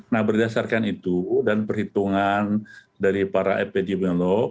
nah berdasarkan itu dan perhitungan dari para epidemiolog